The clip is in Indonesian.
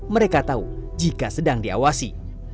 mereka tahu jika sedang diawasi